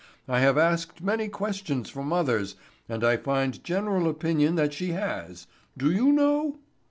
I have asked many questions from others and I find general opinion that she has. Do you know?"